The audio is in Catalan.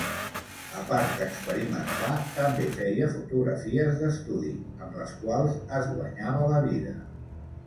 A part d'experimentar, també feia fotografies d'estudi, amb les quals es guanyava la vida.